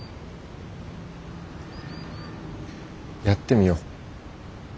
やってみよ。